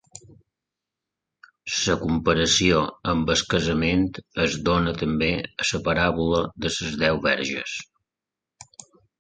La comparació amb el casament es dóna també a la paràbola de les deu verges.